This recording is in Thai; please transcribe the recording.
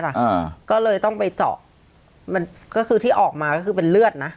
อ่าก็เลยต้องไปเจาะมันก็คือที่ออกมาก็คือเป็นเลือดนะ